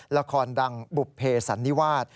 ละครดังบุภเพสันนิวาส